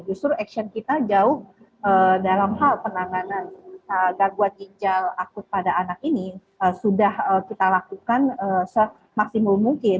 justru action kita jauh dalam hal penanganan gangguan ginjal akut pada anak ini sudah kita lakukan semaksimum mungkin